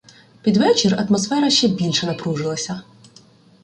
Під вечір атмосфера ще більше напружилася.